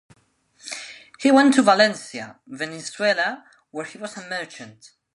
He went to Valencia, Venezuela where he was a merchant.